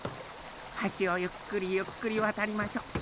はしをゆっくりゆっくりわたりましょ。